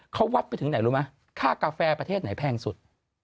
เขาวัดไปถึงไหนรู้ไหมค่ากาแฟประเทศไหนแพงสุด